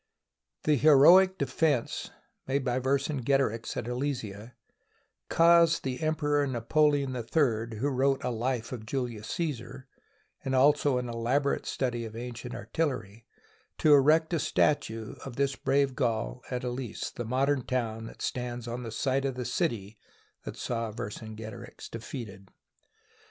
The heroic defence made by Vercingetorix at Alesia caused the Emperor Napoleon III, who wrote a life of Julius Caesar, and also an elaborate study of ancient artillery, to erect a statue of this brave Gaul, at Alise, the modern town that stands on the site of the city that saw Vercingetorix de feated.